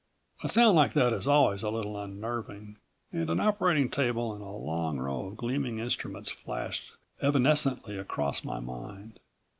A sound like that is always a little unnerving and an operating table and a long row of gleaming instruments flashed evanescently across my mind.